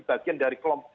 bagian dari kelompok